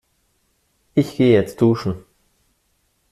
Ich geh jetzt duschen.